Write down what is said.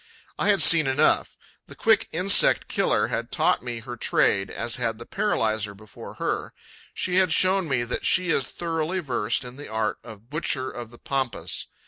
I had seen enough. The quick insect killer had taught me her trade as had the paralyzer before her: she had shown me that she is thoroughly versed in the art of the butcher of the Pampas.